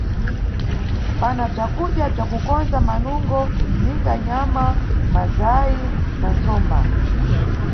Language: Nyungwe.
Pana bzakudya bza kukondza manungo, ninga nyama, mazayi na ntsomba.